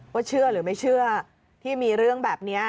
เชื่อหรือไม่เชื่อที่มีเรื่องแบบนี้